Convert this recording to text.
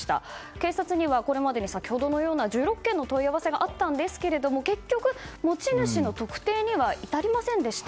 警察には先ほどのような１６件の問い合わせがあったんですけども結局、持ち主の特定には至りませんでした。